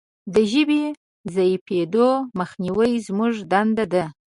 د ژبې د ضعیفیدو مخنیوی زموږ دنده ده.